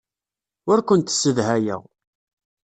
Ur kent-ssedhayeɣ.